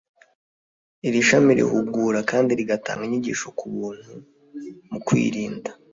iri shami rihugura kandi rigatanga inyigisho ku buntu mu kwirinda